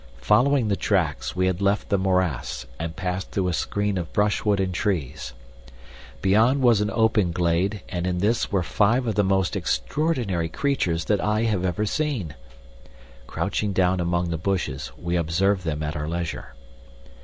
Following the tracks, we had left the morass and passed through a screen of brushwood and trees. Beyond was an open glade, and in this were five of the most extraordinary creatures that I have ever seen. Crouching down among the bushes, we observed them at our leisure.